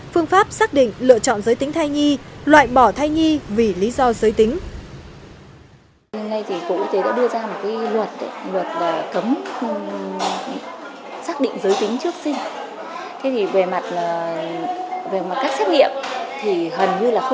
phương pháp xác định lựa chọn giới tính thai nhi loại bỏ thai nhi vì lý do giới tính